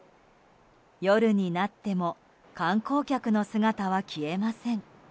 夜になっても観光客の姿は消えません。